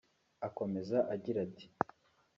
Akomeza agira ati